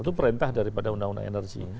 itu perintah daripada undang undang energi